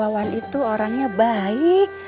wan itu orangnya baik